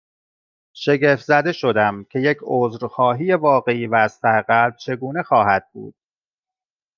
شگفت زده شدم، که یک عذرخواهی واقعی و از ته قلب چگونه خواهد بود؟